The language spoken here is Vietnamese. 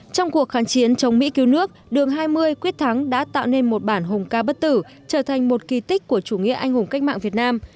trong cuộc kháng chiến chống mỹ cứu nước đường hai mươi quyết thắng đã tạo nên một bản hùng ca bất tử trở thành một kỳ tích của chủ nghĩa anh hùng cách mạng việt nam